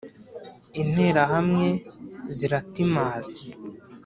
Interahamwe ziratimaza